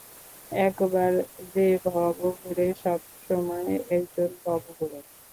একবার যে ভবঘুরে, সবসময় একজন ভবঘুরে।